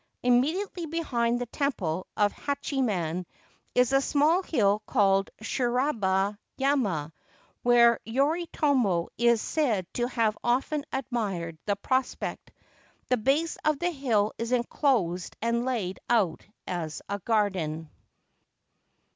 Immediately behind the temple of Hachiman is a small hill called Shirabata yama, whence Yoritomo is said to have often admired the prospect. The base of the hill is enclosed and laid out as a garden.